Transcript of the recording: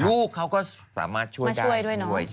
ลูกเขาก็สามารถช่วยได้ด้วย